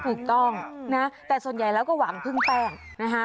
ถูกต้องนะแต่ส่วนใหญ่แล้วก็หวังพึ่งแป้งนะฮะ